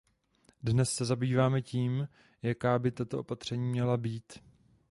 Dnes se zabýváme tím, jaká by tato opatření měla být.